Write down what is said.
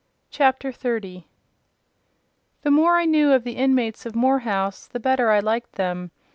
CHAPTER XXX The more I knew of the inmates of Moor House, the better I liked them.